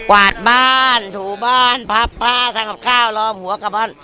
วาดบ้านถูบ้านพาป้าทำกับข้าวรอมหัวกลับบ้าน